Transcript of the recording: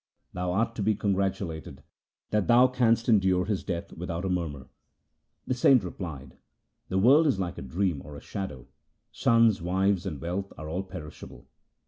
Thou art to be congratulated that thou canst endure his death without a murmur." The saint replied, " The world is like a dream or a shadow ; sons, wives, and wealth are all perishable.